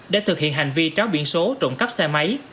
để thực hiện hành vi tráo biển số xe máy